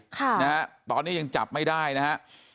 ค่ะนะฮะตอนนี้ยังจับไม่ได้นะฮะ